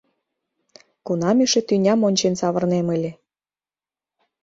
Кунам эше тӱням ончен савырнем ыле?